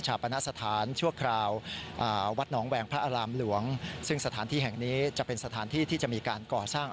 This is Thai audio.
ปณสถานชั่วคราววัดหนองแหวงพระอารามหลวงซึ่งสถานที่แห่งนี้จะเป็นสถานที่ที่จะมีการก่อสร้าง